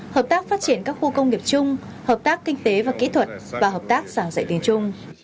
hợp tác phát triển các khu công nghiệp chung hợp tác kinh tế và kỹ thuật và hợp tác giảng dạy tiếng trung